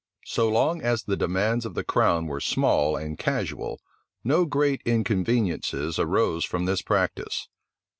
So long as the demands of the crown were small and casual, no great inconveniencies arose from this practice.